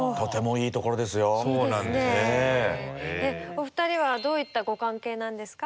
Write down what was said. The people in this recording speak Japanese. お二人はどういったご関係なんですか？